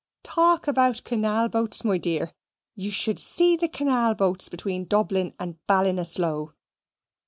"Talk about kenal boats; my dear! Ye should see the kenal boats between Dublin and Ballinasloe.